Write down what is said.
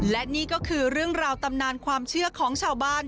และนี่ก็คือเรื่องราวตำนานความเชื่อของชาวบ้าน